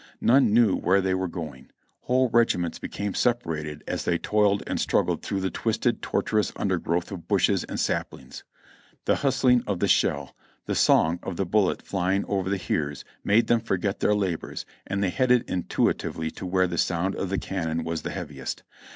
None knew where they were going. Whole regiments became separated as they toiled and struggled through the twisted, tortuous undergrowth of bushes and saplings — the hustling of the shell, the song of the bullet fly ing over the hears made them forget their labors, and they headed intuitively to where the sound of the cannon was the heav iest.